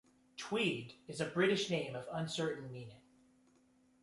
"Tweed" is a British name of uncertain meaning.